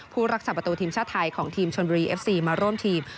ผู้รักษาประตูทีมชาติไทยของทีมชนบุรีเอฟซีมาร่วมทีม